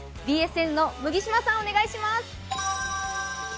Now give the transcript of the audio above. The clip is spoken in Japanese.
ＢＳＮの麦島さん、お願いします。